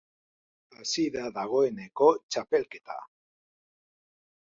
Hasi da dagoeneko txapelketa!